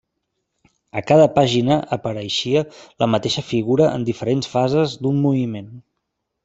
A cada pàgina apareixia la mateixa figura en diferents fases d'un moviment.